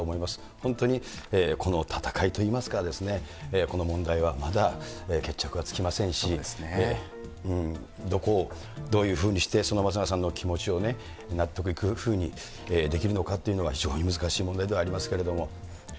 本当にこの戦いといいますかですね、この問題はまだ決着はつきませんし、どこをどういうふうにしてその松永さんの気持ちをね、納得いくふうにできるのかっていうのが、非常に難しい問題ではありますけれども。